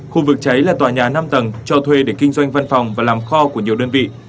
khu vực cháy là tòa nhà năm tầng cho thuê để kinh doanh văn phòng và làm kho của nhiều đơn vị